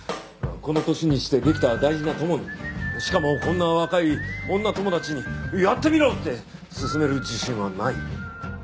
この年にしてできた大事な友にしかもこんな若い女友達に「やってみろ！」って勧める自信はない。